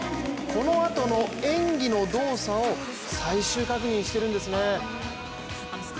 このあとの演技の動作を最終確認してるんですね。